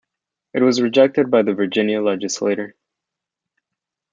It was rejected by the Virginia legislature.